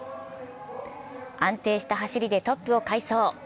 安定した走りでトップを快走。